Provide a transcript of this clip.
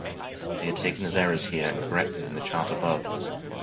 They are taken as errors here, and corrected in the chart above.